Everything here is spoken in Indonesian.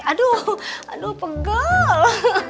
aduh aduh pegel